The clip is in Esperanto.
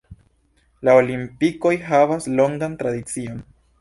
La Olimpikoj havas longan tradicion.